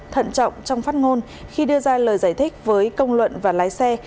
thận trọng trong phát ngôn khi đưa ra lời giải thích với công luận và lái xe